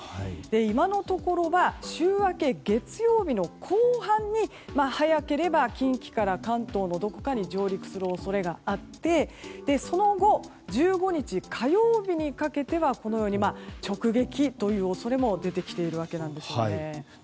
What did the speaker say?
今のところは週明け、月曜日の後半に早ければ近畿から関東のどこかに上陸する恐れがあってその後、１５日火曜日にかけてはこのように直撃という恐れも出てきているわけなんですよね。